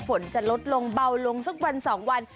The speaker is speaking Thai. ฝนจะลดลงเบาลงสักวัน๒วัน